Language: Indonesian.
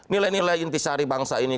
nilai nilai intisari bangsa ini